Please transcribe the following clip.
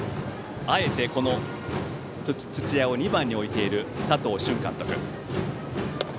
あえてこの土屋を２番に置いている佐藤俊監督。